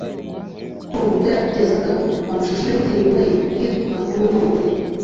com ubwo yatugezagaho amashusho y’indirimbo ye yitwa “Ntunkangure”